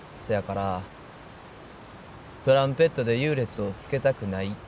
そやからトランペットで優劣をつけたくない。